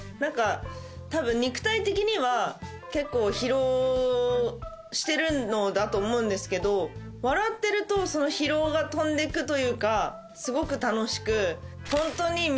多分肉体的には結構疲労してるのだと思うんですけど笑ってるとその疲労が飛んでくというかすごく楽しくホントに皆さん